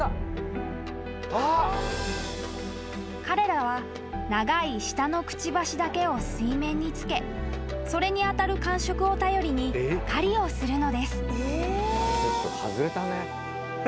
［彼らは長い下のくちばしだけを水面につけそれに当たる感触を頼りに狩りをするのです］